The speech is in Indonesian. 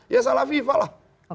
ya salah fifa lah